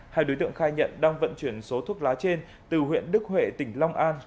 hai đối tượng khai nhận đang vận chuyển số thuốc lá trên từ huyện đức huệ tỉnh long an